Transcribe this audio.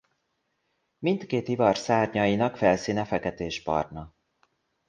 Mindkét ivar szárnyainak felszíne feketésbarna.